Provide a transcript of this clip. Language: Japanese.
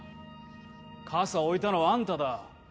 傘を置いたのはあんただ